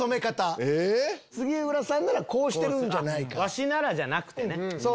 ワシならじゃなくてね。